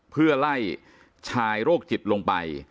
เพื่อไล่ชายโรคจิตลงไป